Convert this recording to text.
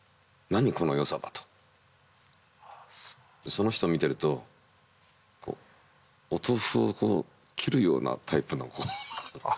その人見てるとお豆腐を切るようなタイプのこう。